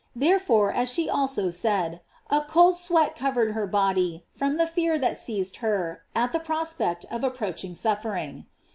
There fore, as she also said, a cold sweat covered her body from the fear that seized her at that pros pect of approaching suffering.